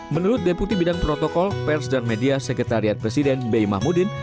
menurut deputi bidang protokol pers dan media sekretariat presiden bei mahmudin